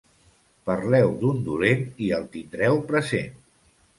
Parleu d'un dolent i el tindreu present.